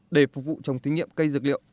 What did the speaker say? để phục vụ trong thí nghiệm cây dược liệu